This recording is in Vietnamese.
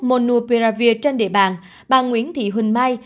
monopiravir trên địa bàn bà nguyễn thị huỳnh mai